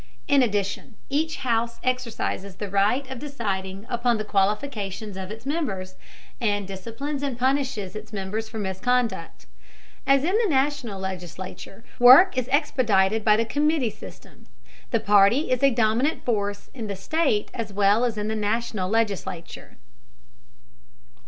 In addition, each house exercises the right of deciding upon the qualifications of its members, and disciplines and punishes its members for misconduct. As in the national legislature, work is expedited by the committee system. The party is a dominant force in the state as well as in the national legislature.